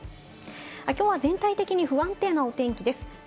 きょうは全体的に不安定なお天気です。